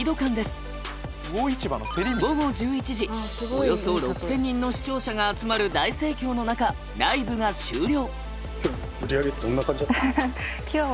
およそ６，０００人の視聴者が集まる大盛況の中ライブが終了。